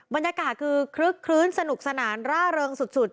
บรรยากาศคือคลึกคลื้นสนุกสนานร่าเริงสุด